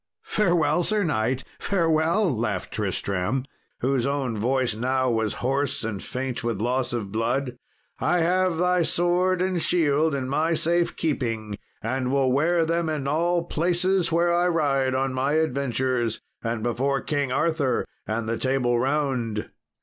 "Farewell, Sir knight, farewell," laughed Tristram, whose own voice now was hoarse and faint with loss of blood; "I have thy sword and shield in my safe keeping, and will wear them in all places where I ride on my adventures, and before King Arthur and the Table Round."